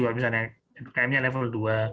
kepala dinas perhubungan pemprov dki jakarta level dua